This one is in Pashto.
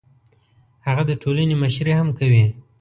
هغه د ټولنې مشري هم کوي.